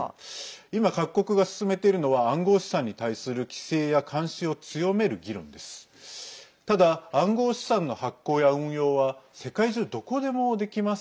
今、各国が進めているのは暗号資産に対する規制や監視を強める議論です。